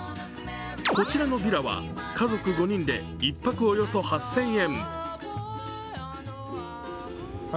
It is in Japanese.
こちらのビラは家族５人で１泊およそ８０００円。